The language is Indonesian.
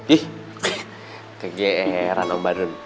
ih kegeeran om badun